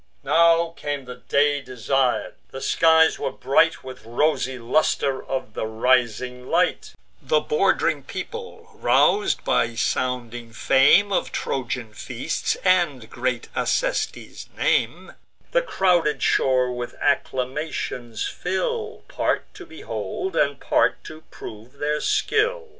Now came the day desir'd. The skies were bright With rosy luster of the rising light: The bord'ring people, rous'd by sounding fame Of Trojan feasts and great Acestes' name, The crowded shore with acclamations fill, Part to behold, and part to prove their skill.